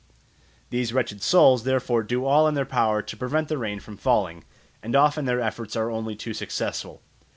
These wretched souls, therefore, do all in their power to prevent the rain from falling, and often their efforts are only too successful.